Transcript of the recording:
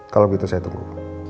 kalau begitu saya tunggu